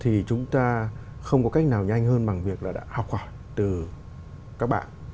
thì chúng ta không có cách nào nhanh hơn bằng việc là đã học hỏi từ các bạn